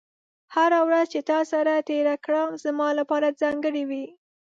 هره ورځ چې تا سره تېره کړم، زما لپاره ځانګړې وي.